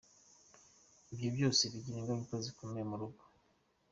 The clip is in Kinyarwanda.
Ibyo byose bigira ingaruka zikomeye mu rugo.